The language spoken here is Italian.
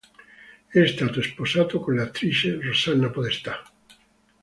È stato sposato con l'attrice Rossana Podestà.